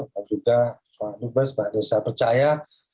dan juga pak dupes pak desra percaya